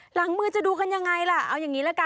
หลังมือจะดูกันยังไงล่ะเอาอย่างนี้ละกัน